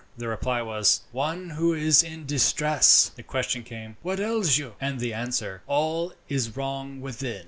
The reply was, "One who is in distress." The question came, "What ails you?" And the answer, "All is wrong within."